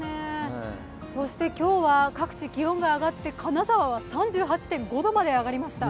そして今日は各地、気温が上がって、金沢は３８．５度まで上がりました。